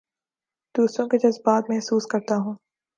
دوسروں کے جذبات محسوس کرتا ہوں